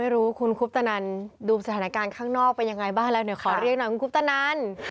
ดูสถานการณ์ข้างนอกเป็นยังไงบ้างแล้วเนี่ยขอเรียกหน่อยคุณคุณตะนัน